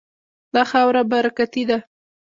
دا خاوره برکتي ده.